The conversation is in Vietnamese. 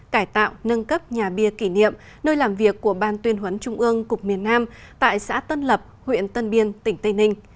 cải tạo nâng cấp nhà bia kỷ niệm nơi làm việc của ban tuyên huấn trung ương cục miền nam tại xã tân lập huyện tân biên tỉnh tây ninh